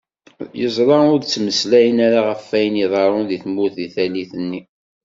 Yezṛa ur d-ttmeslayen ara γef wayen iḍeṛṛun di tmurt deg tallit nni.